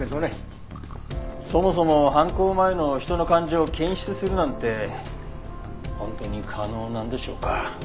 そもそも犯行前の人の感情を検出するなんて本当に可能なんでしょうか？